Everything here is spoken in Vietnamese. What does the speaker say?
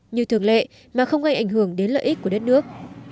như thường lệ mà không gây ảnh hưởng đến lợi ích của đất nước